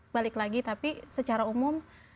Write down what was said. balik lagi tapi secara umum